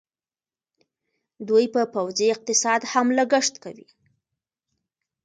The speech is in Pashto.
دوی په پوځي اقتصاد هم لګښت کوي.